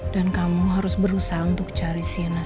dan kamu harus berusaha untuk cari sena